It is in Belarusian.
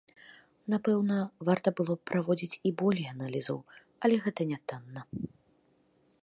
Напэўна, варта было б праводзіць і болей аналізаў, але гэта нятанна.